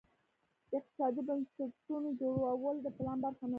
د اقتصادي بنسټونو جوړول د پلان برخه نه وه.